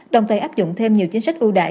đồng thời áp dụng thêm nhiều chính sách ưu đại